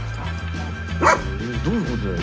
どういうことだよ！？